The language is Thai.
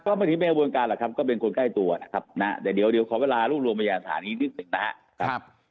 ก็ไม่ใช่ขบวนการหรอกครับก็เป็นคนใกล้ตัวนะครับนะแต่เดี๋ยวขอเวลาร่วมมืออีกหนึ่งนะฮะ